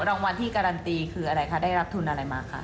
รางวัลที่การันตีคืออะไรคะได้รับทุนอะไรมาคะ